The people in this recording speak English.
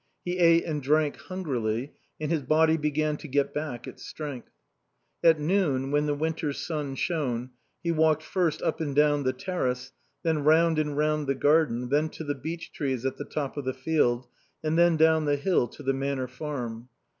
He ate and drank hungrily and his body began to get back its strength. At noon, when the winter sun shone, he walked, first up and down the terrace, then round and round the garden, then to the beech trees at the top of the field, and then down the hill to the Manor Farm.